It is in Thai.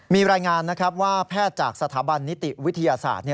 มีรายงานนะครับว่าแพทย์จากสถาบันนิติวิทยาศาสตร์